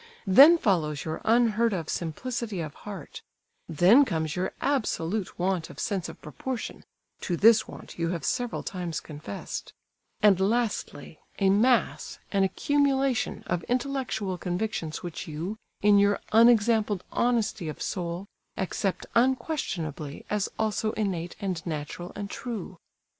Then follows your unheard of simplicity of heart; then comes your absolute want of sense of proportion (to this want you have several times confessed); and lastly, a mass, an accumulation, of intellectual convictions which you, in your unexampled honesty of soul, accept unquestionably as also innate and natural and true.